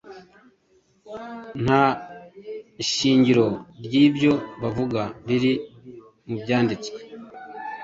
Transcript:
nta shingiro ry’ibyo bavuga riri mu Byanditswe.